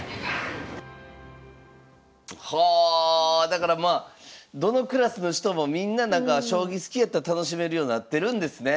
だからまあどのクラスの人もみんななんか将棋好きやったら楽しめるようなってるんですね。